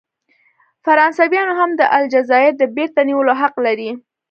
فرانسویان هم د الجزایر د بیرته نیولو حق لري.